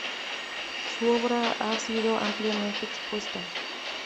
Su obra ha sido ampliamente expuesta.